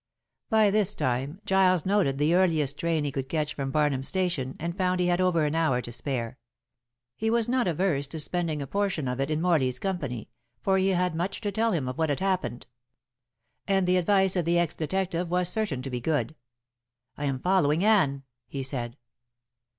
By this time Giles noted the earliest train he could catch from Barnham Station, and found he had over an hour to spare. He was not averse to spending a portion of it in Morley's company, for he had much to tell him of what had happened. And the advice of the ex detective was certain to be good. "I am following Anne," he said.